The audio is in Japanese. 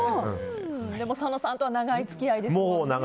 佐野さんとは長い付き合いですよね。